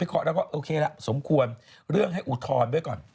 ขอแล้วก็โอเคละสมควรเรื่องให้อุทธรณ์ไว้ก่อน